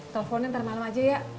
teleponnya ntar malam aja ya